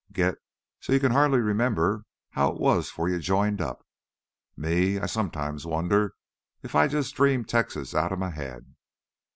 Gits so you can hardly remember how it was 'fore you joined up. Me, I sometimes wonder if I jus' dreamed Texas outta m' head.